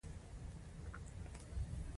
اروپایانو به پخوا مجرمان خپلو مستعمرو ته استول.